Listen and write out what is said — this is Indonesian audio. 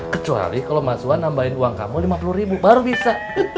kecuali kalau mas wan nambahin uang kamu lima puluh ribu baru bisa